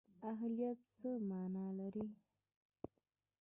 اهلیت څه مانا لري؟